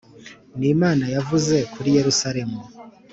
nimana yavuze kuri yerusalemu